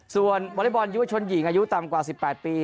ส่วนวอเล็กบอลยุวชนหญิงอายุต่ำกว่า๑๘ปี